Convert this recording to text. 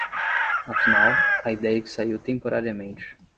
Afinal, a ideia que saiu temporariamente